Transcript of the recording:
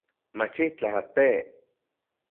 Machitlaj, te